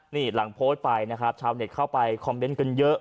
นี่หลังโพสต์ไปนะครับชาวเน็ตเข้าไปคอมเมนต์กันเยอะ